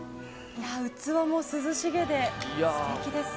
器も涼しげで素敵ですね。